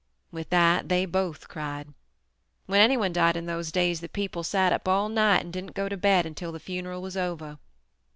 With that, they both cried. When anyone died in those days, the people sat up all night and didn't go to bed until the funeral was over.